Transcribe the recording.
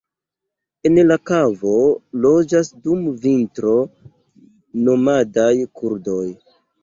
En la kavo loĝas dum vintro nomadaj kurdoj.